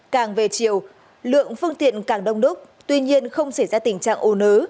càng về chiều lượng phương tiện càng đông đúc tuy nhiên không xảy ra tình trạng ô nớ